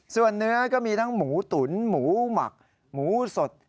ส่วนเนื้อก็มีทั้งหมูตุ๋นหมูหมักหมูสด